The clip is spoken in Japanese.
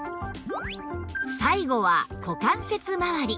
最後は股関節まわり